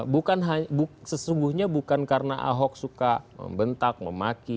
bukan sesungguhnya bukan karena ahok suka membentak memaki